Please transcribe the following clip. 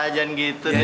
jangan gitu kan pacar